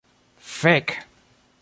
Fek'